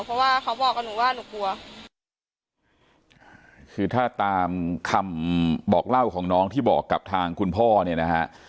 เพราะว่าเขาบอกกับหนูว่าหนูกลัวคือถ้าตามคำบอกเล่าของน้องที่บอกกับทางคุณพ่อเนี่ยนะฮะ